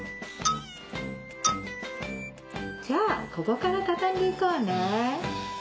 じゃあここからたたんでいこうね。